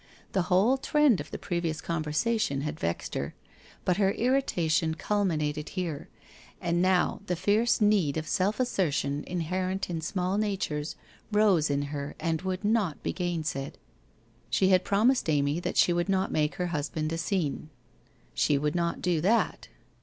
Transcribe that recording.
The whole trend, of the previous conversation had vexed her, but her irri tation culminated here, and now the fierce need of self assertion inherent in small natures rose in her and would not be gainsaid. She had promised Amy that she would not make her husband a scene. She would not do that.